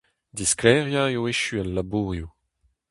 Disklêriañ eo echu al labourioù.